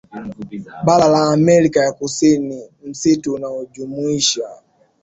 Bara la Amerika ya Kusini msitu unaojumuisha